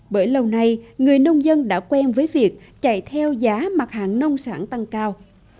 ngày ngày người nông dân đã quen với việc chạy theo giá mặt hạng nông sản tăng cao